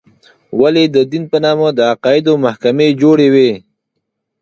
ولې د دین په نامه د عقایدو محکمې جوړې وې.